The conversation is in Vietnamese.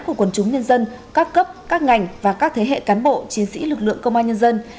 của quần chúng nhân dân các cấp các ngành và các thế hệ cán bộ chiến sĩ lực lượng công an nhân dân